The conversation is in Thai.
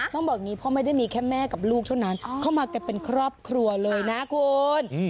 ต้องบอกอย่างนี้เพราะไม่ได้มีแค่แม่กับลูกเท่านั้นเข้ามากันเป็นครอบครัวเลยนะคุณ